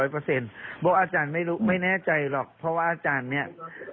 เพราะอาจารย์ไม่รู้ไม่แน่ใจหรอกเพราะว่าอาจารย์เนี่ย